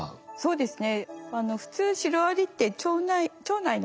そうですね。